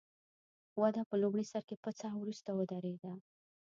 وده په لومړي سر کې پڅه او وروسته ودرېده.